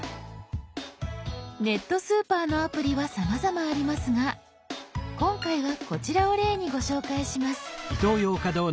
ネットスーパーのアプリはさまざまありますが今回はこちらを例にご紹介します。